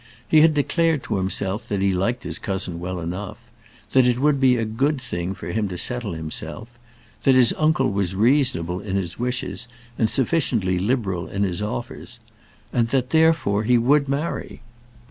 He had declared to himself that he liked his cousin well enough; that it would be a good thing for him to settle himself; that his uncle was reasonable in his wishes and sufficiently liberal in his offers; and that, therefore, he would marry.